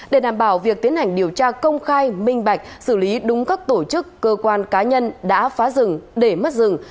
để đảm bảo việc tiến hành điều tra công khai minh bạch xử lý đúng các tổ chức cơ quan cá nhân đã phá rừng để mất rừng